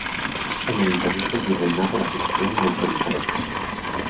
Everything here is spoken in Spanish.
En el interior del virreinato la situación no fue diferente.